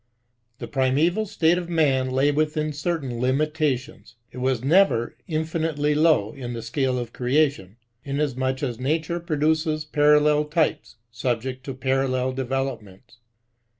The primaeval state of man lay within certain limitations. It was never inde finitely low in the scale of Creation ; inasmuch as Nature produces parallel types subject to parallel developments.